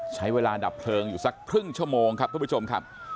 ใช้เวลาดับเพลิงอยู่สักครึ่งชั่วโมงครับทุกผู้ชมครับ